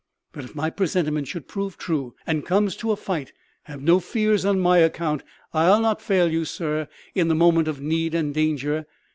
But if my presentiment should prove true, and it comes to a fight, have no fears on my account. I'll not fail you, sir, in the moment of need and danger.